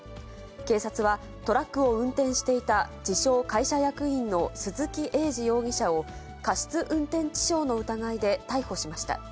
警察はトラックを運転していた自称会社役員の鈴木栄司容疑者を、過失運転致傷の疑いで逮捕しました。